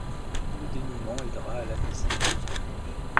Le dénouement aidera à l'apaiser.